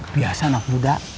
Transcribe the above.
biasa anak muda